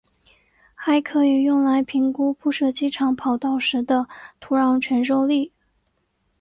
还可用来评估铺设机场跑道时的土壤承载力。